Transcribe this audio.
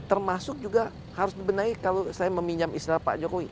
termasuk juga harus dibenahi kalau saya meminjam istilah pak jokowi